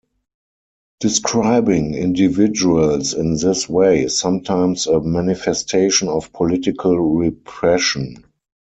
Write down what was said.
Describing individuals in this way is sometimes a manifestation of political repression.